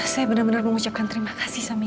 saya bener bener mengucapkan terima kasih sama ibu